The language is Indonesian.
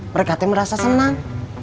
mereka tuh merasa senang